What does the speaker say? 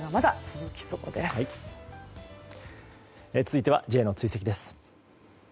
続いてはＪの追跡です。